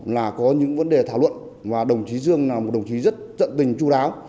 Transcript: là có những vấn đề thảo luận và đồng chí dương là một đồng chí rất tận tình chú đáo